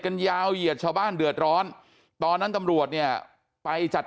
ยาวเหยียดชาวบ้านเดือดร้อนตอนนั้นตำรวจเนี่ยไปจัด